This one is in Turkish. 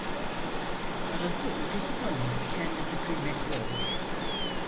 Parası ucuz olanın kendisi kıymetli olur.